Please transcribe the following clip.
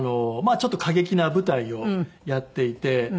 ちょっと過激な舞台をやっていて。